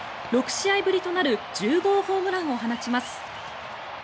６試合ぶりとなる１０号ホームランを放ちます。